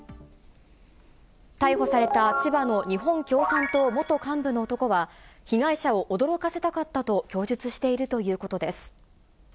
逮捕された千葉の日本共産党元幹部の男は、被害者を驚かせたかったと供述しているということです。